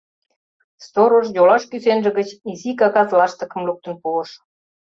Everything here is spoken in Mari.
Сторож йолаш кӱсенже гыч изи кагаз лаштыкым луктын пуыш.